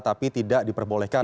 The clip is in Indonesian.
tapi tidak diperbolehkan